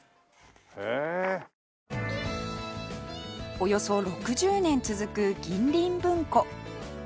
およそ６０年続く銀鱗文庫